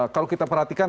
kalau kita perhatikan